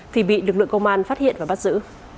thì bị lực lượng công an phát hiện và bắt giữ